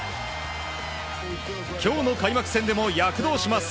今日の開幕戦でも躍動します。